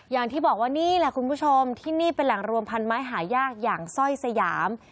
อย่างที่บอกว่านี่แหละคุณผู้ชมที่นี่เป็นแหล่งรวมพันไม้หายากอย่างสร้อยสยาม